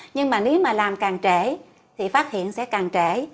nhưng mà nếu mà làm càng trễ thì phát hiện sẽ càng trễ